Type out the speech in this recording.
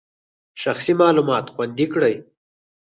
شخصي معلومات خوندي کړئ.